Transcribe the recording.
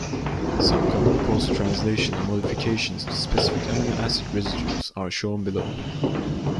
Some common post-translational modifications to specific amino-acid residues are shown below.